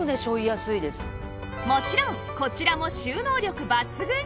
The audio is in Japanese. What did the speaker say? もちろんこちらも収納力抜群！